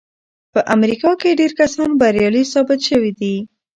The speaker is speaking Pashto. په امريکا کې ډېر کسان بريالي ثابت شوي دي.